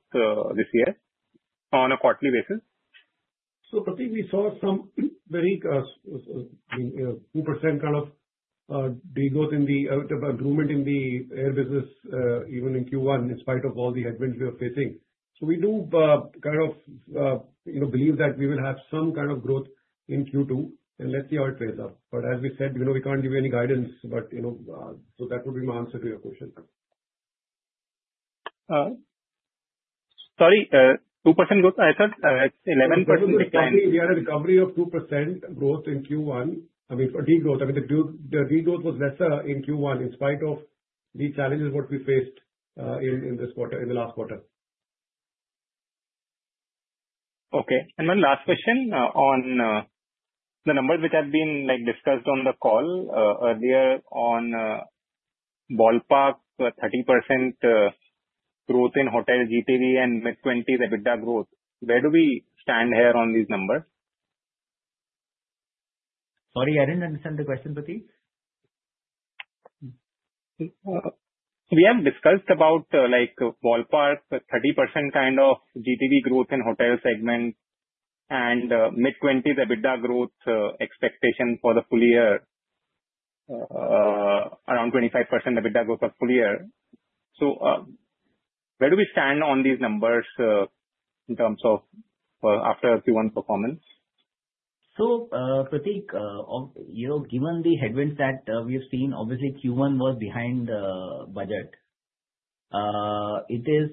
this year on a quarterly basis? So Prateek, we saw some very 2% kind of decrease in the improvement in the air business, even in Q1, in spite of all the adverse events we are facing. So we do kind of believe that we will have some kind of growth in Q2, and let's see how it plays out. But as we said, we can't give you any guidance. But so that would be my answer to your question. Sorry. 2% growth, I thought 11% decline. Yeah. Currently, we are at a recovery of 2% growth in Q1. I mean, for decrease. I mean, the decrease was lesser in Q1 in spite of the challenges what we faced in the last quarter. Okay. And one last question on the numbers which have been discussed on the call earlier on ballpark 30% growth in hotel GTV and mid-20s% EBITDA growth. Where do we stand here on these numbers? Sorry, I didn't understand the question, Prateek. We have discussed about ballpark 30% kind of GTV growth in hotel segment and mid-20s% EBITDA growth expectation for the full year, around 25% EBITDA growth for the full year. So where do we stand on these numbers in terms of after Q1 performance? So Prateek, given the headwinds that we have seen, obviously, Q1 was behind the budget. It is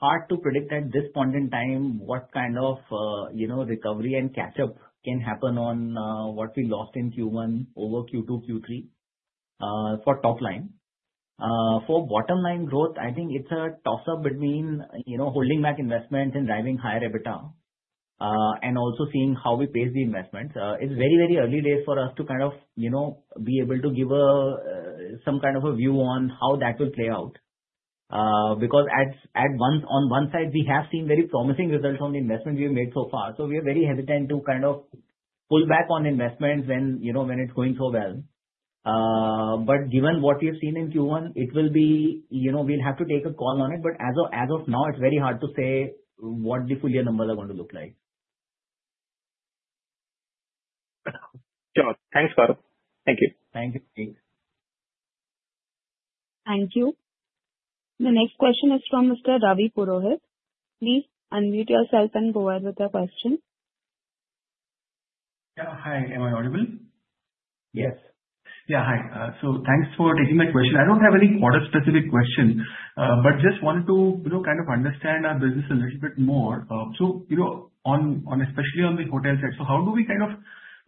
hard to predict at this point in time what kind of recovery and catch-up can happen on what we lost in Q1 over Q2, Q3 for top line. For bottom line growth, I think it's a toss-up between holding back investments and driving higher EBITDA and also seeing how we pace the investments. It's very, very early days for us to kind of be able to give some kind of a view on how that will play out because on one side, we have seen very promising results on the investment we have made so far. So we are very hesitant to kind of pull back on investments when it's going so well. But given what we have seen in Q1, it will be. We'll have to take a call on it. But as of now, it's very hard to say what the full-year numbers are going to look like. Sure. Thanks, Gaurav. Thank you. Thank you. Thank you. The next question is from Mr. Ravi Purohit. Please unmute yourself and go ahead with your question. Yeah. Hi. Am I audible? Yes. Yeah. Hi. So thanks for taking my question. I don't have any quarter-specific question, but just wanted to kind of understand our business a little bit more. So especially on the hotel side, so how do we kind of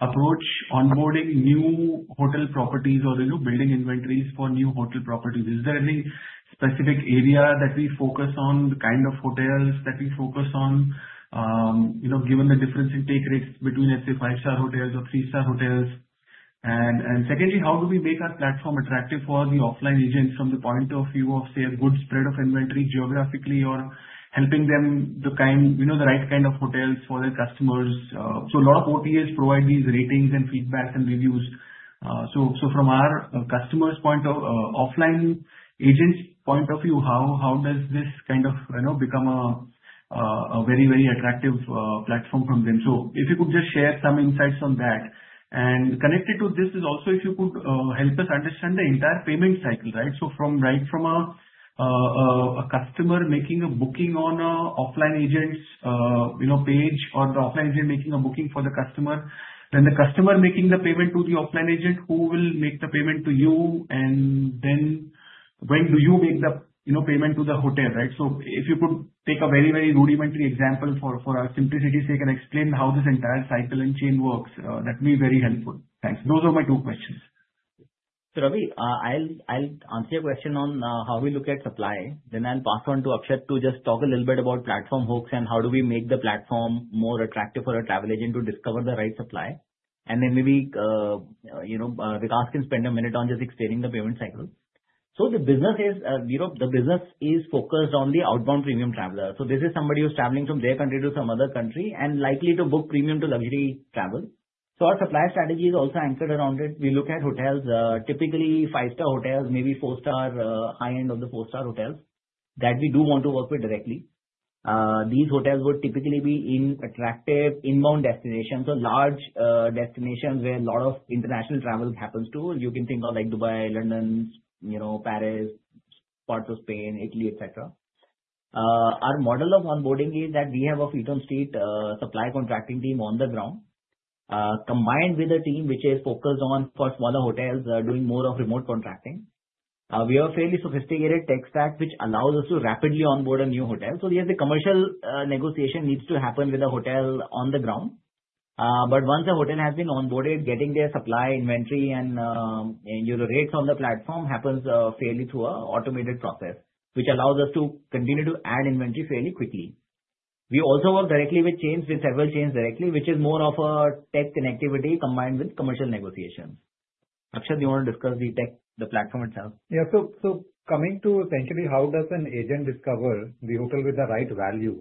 approach onboarding new hotel properties or building inventories for new hotel properties? Is there any specific area that we focus on, the kind of hotels that we focus on, given the difference in take rates between, let's say, five-star hotels or three-star hotels? And secondly, how do we make our platform attractive for the offline agents from the point of view of, say, a good spread of inventory geographically or helping them the right kind of hotels for their customers? So a lot of OTAs provide these ratings and feedback and reviews. From our customers' point of view, offline agents' point of view, how does this kind of become a very, very attractive platform from them? So if you could just share some insights on that. And connected to this is also, if you could help us understand the entire payment cycle, right? So right from a customer making a booking on an offline agent's page or the offline agent making a booking for the customer, then the customer making the payment to the offline agent, who will make the payment to you? And then when do you make the payment to the hotel, right? So if you could take a very, very rudimentary example for our simplicity's sake and explain how this entire cycle and chain works, that would be very helpful. Thanks. Those are my two questions. Ravi, I'll answer your question on how we look at supply. Then I'll pass on to Akshat to just talk a little bit about platform hooks and how do we make the platform more attractive for a travel agent to discover the right supply. And then maybe Vikas can spend a minute on just explaining the payment cycle. So the business is focused on the outbound premium traveler. So this is somebody who's traveling from their country to some other country and likely to book premium to luxury travel. So our supply strategy is also anchored around it. We look at hotels, typically five-star hotels, maybe four-star, high-end of the four-star hotels that we do want to work with directly. These hotels would typically be in attractive inbound destinations, so large destinations where a lot of international travel happens to. You can think of Dubai, London, Paris, parts of Spain, Italy, etc. Our model of onboarding is that we have a freelance supply contracting team on the ground combined with a team which is focused on, for smaller hotels, doing more of remote contracting. We have a fairly sophisticated tech stack which allows us to rapidly onboard a new hotel. So yes, the commercial negotiation needs to happen with a hotel on the ground. But once a hotel has been onboarded, getting their supply inventory and rates on the platform happens fairly through an automated process, which allows us to continue to add inventory fairly quickly. We also work directly with chains, with several chains directly, which is more of a tech connectivity combined with commercial negotiations. Akshat, you want to discuss the platform itself? Yeah. So coming to essentially how does an agent discover the hotel with the right value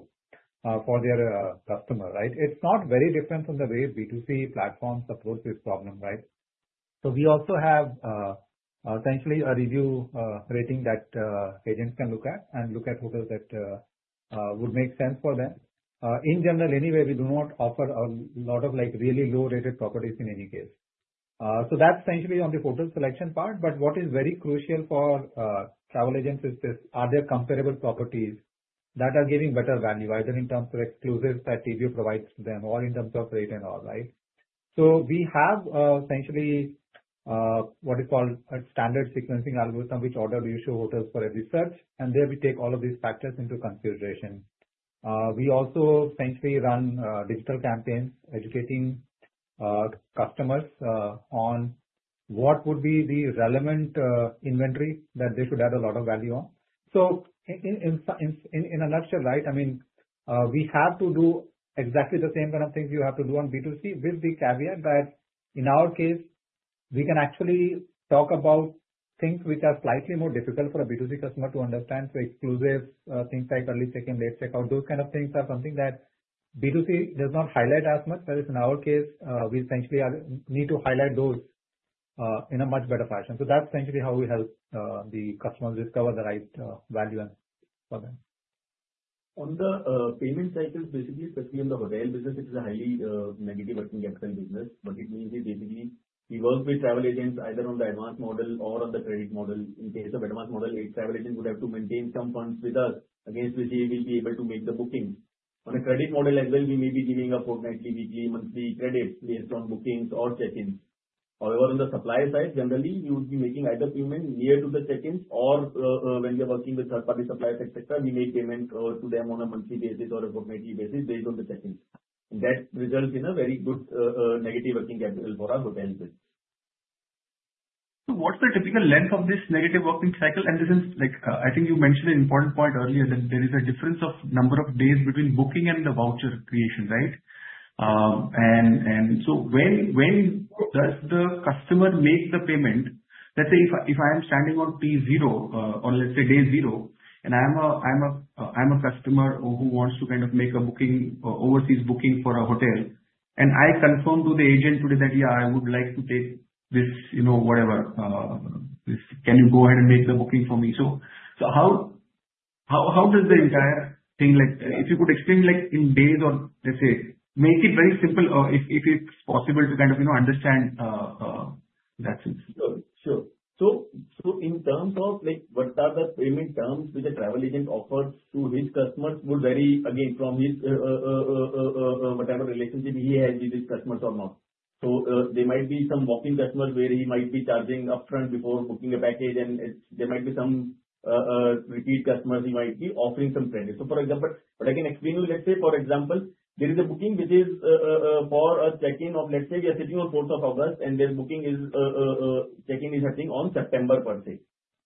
for their customer, right? It's not very different from the way B2C platforms approach this problem, right? So we also have essentially a review rating that agents can look at and look at hotels that would make sense for them. In general, anyway, we do not offer a lot of really low-rated properties in any case. So that's essentially on the hotel selection part. But what is very crucial for travel agents is this. Are there comparable properties that are giving better value, either in terms of exclusives that TBO provides to them or in terms of rate and all, right? So we have essentially what is called a standard sequencing algorithm, which order we show hotels for a search, and there we take all of these factors into consideration. We also essentially run digital campaigns educating customers on what would be the relevant inventory that they should add a lot of value on. So in a nutshell, right, I mean, we have to do exactly the same kind of things you have to do on B2C with the caveat that in our case, we can actually talk about things which are slightly more difficult for a B2C customer to understand. So exclusive things like early check-in, late check-out, those kind of things are something that B2C does not highlight as much, whereas in our case, we essentially need to highlight those in a much better fashion. So that's essentially how we help the customers discover the right value for them. On the payment cycles, basically, especially in the hotel business, it is a highly negative working capital business. What it means is basically we work with travel agents either on the advanced model or on the credit model. In case of advanced model, a travel agent would have to maintain some funds with us against which they will be able to make the booking. On a credit model as well, we may be giving a fortnightly, weekly, monthly credit based on bookings or check-ins. However, on the supply side, generally, we would be making either payment near to the check-ins or when we are working with third-party suppliers, etc., we make payment to them on a monthly basis or a fortnightly basis based on the check-in, and that results in a very good negative working capital for our hotel business. What's the typical length of this negative working cycle? And I think you mentioned an important point earlier that there is a difference of number of days between booking and the voucher creation, right? And so when does the customer make the payment? Let's say if I am standing on day zero or let's say day zero, and I'm a customer who wants to kind of make an overseas booking for a hotel, and I confirm to the agent today that, "Yeah, I would like to take this, whatever. Can you go ahead and make the booking for me?" So how does the entire thing if you could explain in days or let's say make it very simple if it's possible to kind of understand that sense? Sure. So in terms of what are the payment terms which a travel agent offers to his customers would vary, again, from whatever relationship he has with his customers or not. So there might be some walk-in customers where he might be charging upfront before booking a package, and there might be some repeat customers he might be offering some credit. So for example, what I can explain to you, let's say, for example, there is a booking which is for a check-in of, let's say, we are sitting on 4th of August, and their booking check-in is happening on September, per se.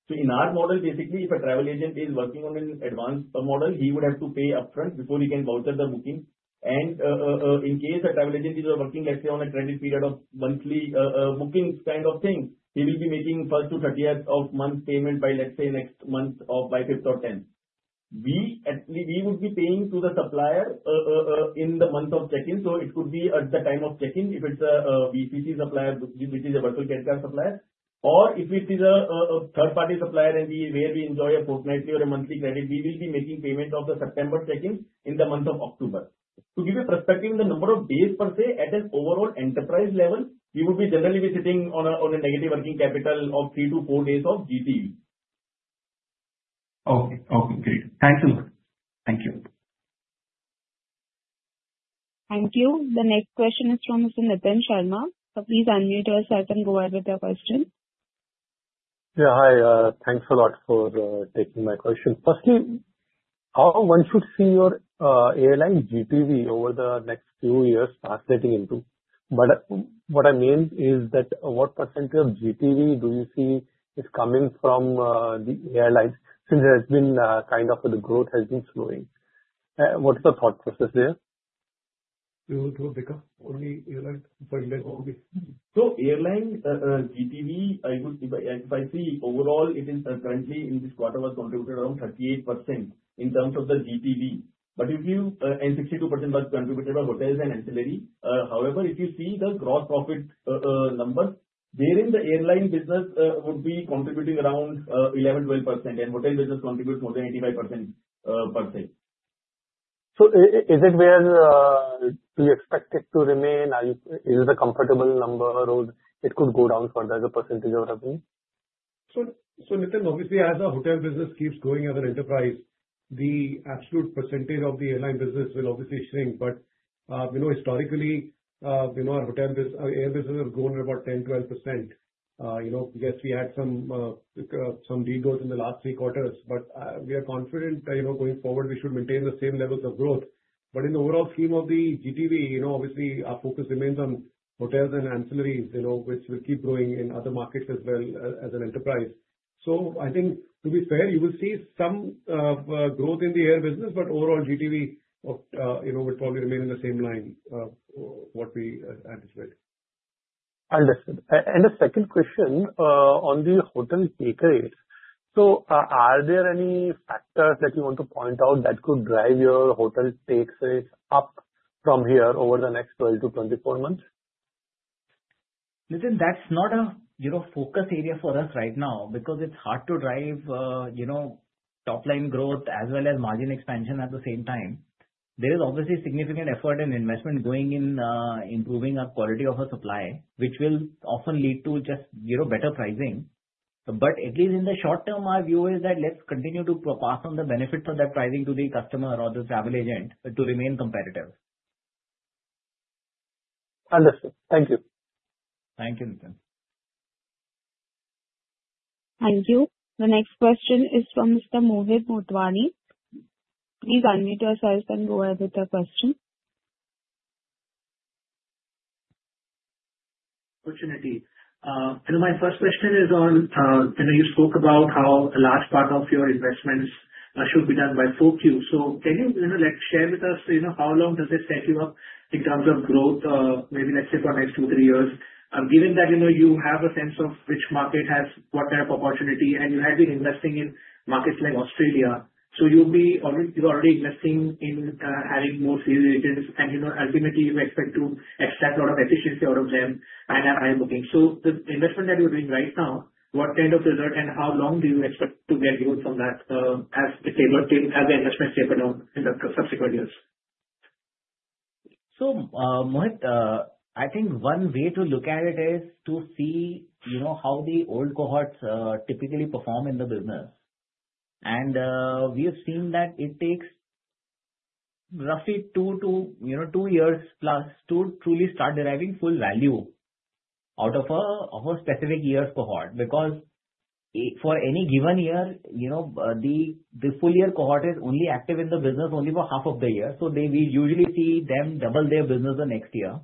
So in our model, basically, if a travel agent is working on an advanced model, he would have to pay upfront before he can voucher the booking. In case a travel agent is working, let's say, on a credit period of monthly booking kind of thing, he will be making first to 30th of month payment by, let's say, next month of by 5th or 10th. We would be paying to the supplier in the month of check-in. So it could be at the time of check-in if it's a VCC supplier, which is a virtual credit card supplier. Or if it is a third-party supplier where we enjoy a fortnightly or a monthly credit, we will be making payment of the September check-in in the month of October. To give you perspective in the number of days, per se, at an overall enterprise level, we would generally be sitting on a negative working capital of three to four days of GTV. Okay. Okay. Great. Thank you. Thank you. Thank you. The next question is from Mr. Nitin Sharma. So please unmute yourself and go ahead with your question. Yeah. Hi. Thanks a lot for taking my question. Firstly, how one should see your airline GTV over the next few years translating into? But what I meant is that what percentage of GTV do you see is coming from the airlines since there has been kind of the growth has been slowing? What is the thought process there? So airline GTV, I see overall, currently in this quarter, was contributed around 38% in terms of the GTV. But if you, and 62% was contributed by hotels and ancillary. However, if you see the gross profit number, therein the airline business would be contributing around 11-12%, and hotel business contributes more than 85%, per se. So, is that where you expect it to remain? Is it a comfortable number, or could it go down further as a percentage of revenue? So Nitin, obviously, as our hotel business keeps growing as an enterprise, the absolute percentage of the airline business will obviously shrink. But historically, our hotel business, our air business has grown about 10%-12%. Yes, we had some de-growth in the last three quarters, but we are confident going forward, we should maintain the same levels of growth. But in the overall scheme of the GTV, obviously, our focus remains on hotels and ancillaries, which will keep growing in other markets as well as an enterprise. So I think, to be fair, you will see some growth in the air business, but overall, GTV would probably remain in the same line what we anticipate. Understood. And the second question on the hotel take rates. So are there any factors that you want to point out that could drive your hotel take rates up from here over the next 12-24 months? Nitin, that's not a focus area for us right now because it's hard to drive top-line growth as well as margin expansion at the same time. There is obviously significant effort and investment going in improving our quality of our supply, which will often lead to just better pricing. But at least in the short term, our view is that let's continue to pass on the benefit of that pricing to the customer or the travel agent to remain competitive. Understood. Thank you. Thank you, Nitin. Thank you. The next question is from Mr. Mohit Motwani. Please unmute yourself and go ahead with your question. Opportunity. My first question is on you spoke about how a large part of your investments should be done by 4Q. So can you share with us how long does it set you up in terms of growth, maybe, let's say, for the next two, three years? Given that you have a sense of which market has what kind of opportunity, and you have been investing in markets like Australia, so you're already investing in having more sales agents, and ultimately, you expect to extract a lot of efficiency out of them and have higher booking. So the investment that you're doing right now, what kind of result and how long do you expect to get growth from that as the investments taper down in the subsequent years? So Mohit, I think one way to look at it is to see how the old cohorts typically perform in the business. And we have seen that it takes roughly two years plus to truly start deriving full value out of a specific year's cohort because for any given year, the full-year cohort is only active in the business for half of the year. So we usually see them double their business the next year.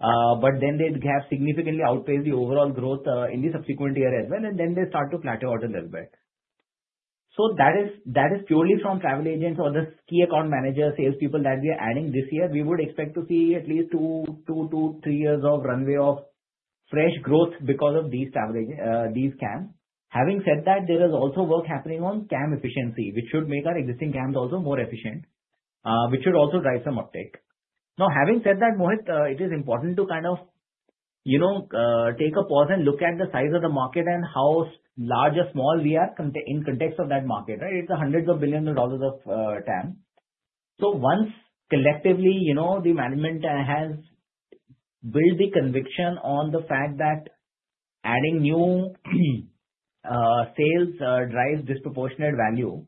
But then they have significantly outpaced the overall growth in the subsequent year as well, and then they start to flatten out a little bit. So that is purely from travel agents or the key account managers, salespeople that we are adding this year. We would expect to see at least two, three years of runway of fresh growth because of these CAMs. Having said that, there is also work happening on CAM efficiency, which should make our existing CAMs also more efficient, which should also drive some uptake. Now, having said that, Mohit, it is important to kind of take a pause and look at the size of the market and how large or small we are in context of that market, right? It's hundreds of billions of dollars of CAM. So once collectively, the management has built the conviction on the fact that adding new sales drives disproportionate value,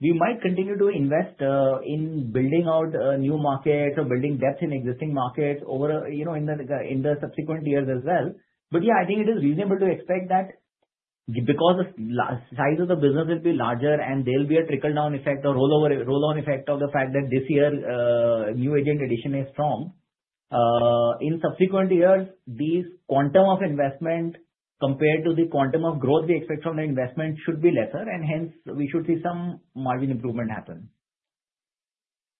we might continue to invest in building out new markets or building depth in existing markets in the subsequent years as well. But yeah, I think it is reasonable to expect that because the size of the business will be larger and there'll be a trickle-down effect or roll-on effect of the fact that this year new agent addition is strong. In subsequent years, this quantum of investment compared to the quantum of growth we expect from the investment should be lesser, and hence, we should see some margin improvement happen.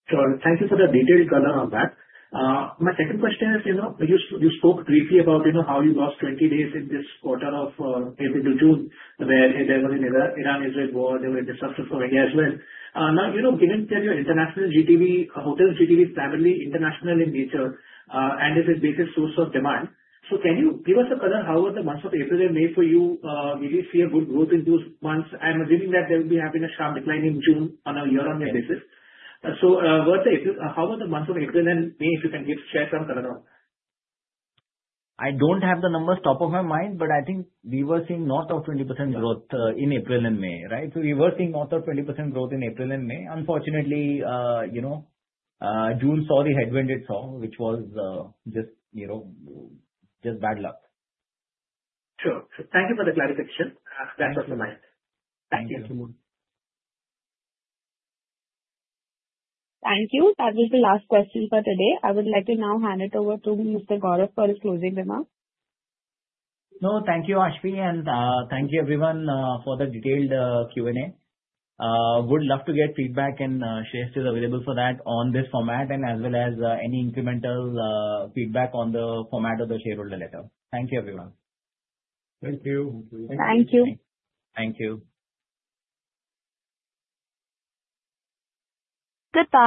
Sure. Thank you for the detailed color on that. My second question is you spoke briefly about how you lost 20 days in this quarter of April to June where there was an Iran-Israel war, there were disasters for India as well. Now, given that your international GTV, hotel GTV, is primarily international in nature and is a basic source of demand, so can you give us a color how were the months of April and May for you? Did you see a good growth in those months? I'm assuming that there will be having a sharp decline in June on a year-on-year basis. So how were the months of April and May if you can share some color on that? I don't have the numbers top of my mind, but I think we were seeing north of 20% growth in April and May, right? So we were seeing north of 20% growth in April and May. Unfortunately, June saw the headwind it saw, which was just bad luck. Sure. Thank you for the clarification. That's what's on my end. Thank you. Thank you. Thank you. That was the last question for today. I would like to now hand it over to Mr. Gaurav for his closing remarks. No, thank you, Aashvi, and thank you, everyone, for the detailed Q&A. Would love to get feedback and share if it's available for that on this format and as well as any incremental feedback on the format of the shareholder letter. Thank you, everyone. Thank you. Thank you. Thank you.